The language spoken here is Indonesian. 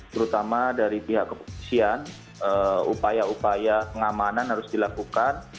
terutama dari pihak kepolisian upaya upaya pengamanan harus dilakukan